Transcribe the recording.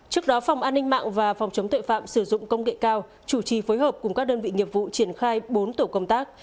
trước đó phòng an ninh mạng và phòng chống tội phạm sử dụng công nghệ cao chủ trì phối hợp cùng các đơn vị nghiệp vụ triển khai bốn tổ công tác